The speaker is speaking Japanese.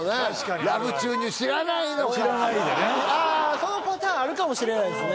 そのパターンあるかもしれないですね